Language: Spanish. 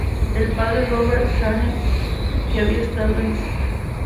El padre Robert Shaheen, que había estado en St.